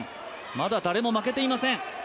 まだ、誰も負けていません。